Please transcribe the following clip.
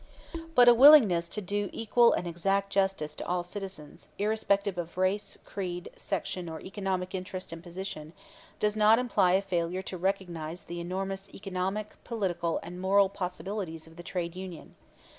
But a willingness to do equal and exact justice to all citizens, irrespective of race, creed, section or economic interest and position, does not imply a failure to recognize the enormous economic, political and moral possibilities of the trade union.